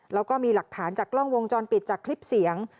แล้วก็มีหลักฐานจากกล้องวงจรปิดจากคลิปเสียง